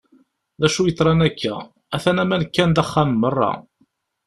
D acu yeḍran akka? Atan aman kkan-d axxam merra.